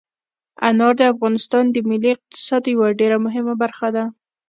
انار د افغانستان د ملي اقتصاد یوه ډېره مهمه برخه ده.